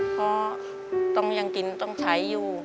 เพราะต้องยังกินต้องใช้อยู่